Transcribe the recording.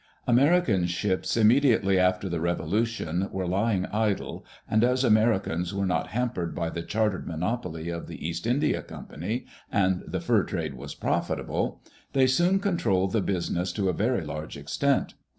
American ships, immediately after die Revolution, were lying idle, and as Americans were not hampered by die chartered mon(^>oly of die E^ast India Company, and die fur trade was profitable, they soon controlled the business to a very large extent.